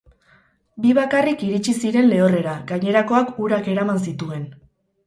Bi bakarrik iritsi ziren lehorrera, gainerakoak urak eraman zituen.